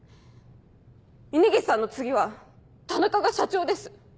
峰岸さんの次は田中が社長です。